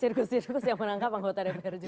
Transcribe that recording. sirkus sirkus yang menangkap anggota dpr juga